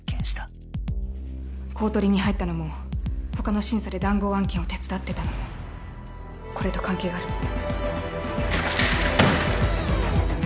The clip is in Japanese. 公取に入ったのも他の審査で談合案件を手伝ってたのもこれと関係があるの？